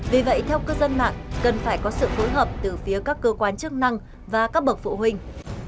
vì vậy theo cư dân mạng cần phải có sự phối hợp từ phía các cơ quan chức năng và các bậc phụ huynh